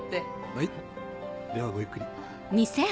はいではごゆっくり。